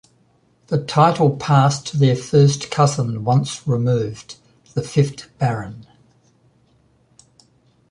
The title passed to their first cousin once removed, the fifth Baron.